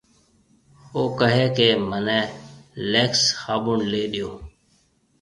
او ڪهي ڪيَ مني لڪَس هابُن ليَ ڏيو۔